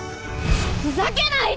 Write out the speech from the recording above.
ふざけないで！